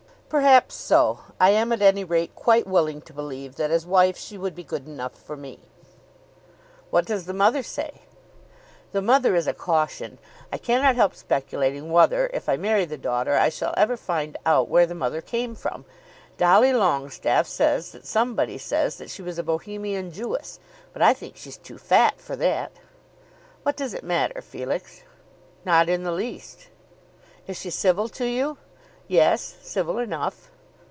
"Perhaps so. I am at any rate quite willing to believe that as wife she would be 'good enough for me.'" "What does the mother say?" "The mother is a caution. I cannot help speculating whether, if I marry the daughter, I shall ever find out where the mother came from. Dolly Longestaffe says that somebody says that she was a Bohemian Jewess; but I think she's too fat for that." "What does it matter, Felix?" "Not in the least." "Is she civil to you?" "Yes, civil enough."